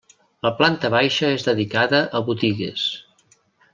La planta baixa és dedicada a botigues.